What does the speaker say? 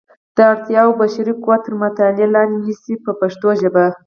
د اړتیا وړ بشري قوت تر مطالعې لاندې نیسي په پښتو ژبه.